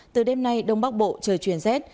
từ đêm nay đông bắc bộ trời chuyển rét